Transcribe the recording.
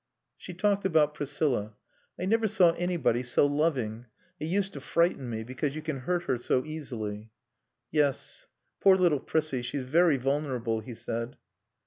She talked about Priscilla: "I never saw anybody so loving. It used to frighten me; because you can hurt her so easily." "Yes. Poor little Prissie, she's very vulnerable," he said.